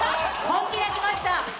本気出しました